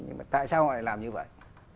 nhưng mà tại sao họ lại làm như vậy